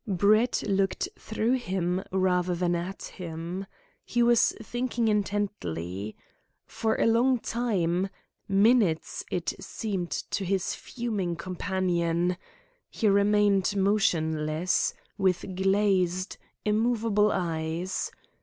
Brett looked through him rather than at him. He was thinking intently. For a long time minutes it seemed to his fuming companion he remained motionless, with glazed, immovable eyes.